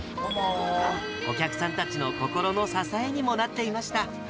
お客さんたちの心の支えにもなっていました。